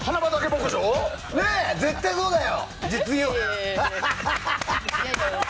絶対そうだよ！